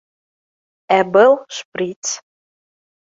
Ә был шприц